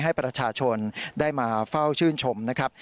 ให้ประชาชนได้มาเฝ้าชื่นชมนะครับ